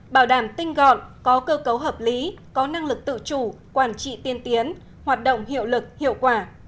bảo đảm tinh gọn có cơ cấu hợp lý có năng lực tự chủ quản trị tiên tiến hoạt động hiệu lực hiệu quả